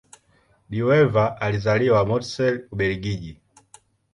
De Wever alizaliwa Mortsel, Ubelgiji.